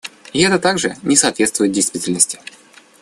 И это также не соответствует действительности.